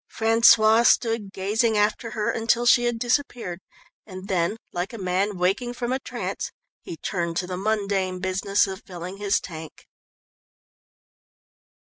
François stood gazing after her until she had disappeared, and then, like a man waking from a trance, he turned to the mundane business of filling his tank.